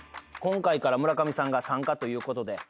今回から村上さんが参加ということで。